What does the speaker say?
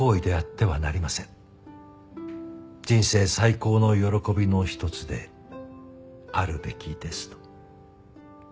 「人生最高の喜びのひとつであるべきです」と。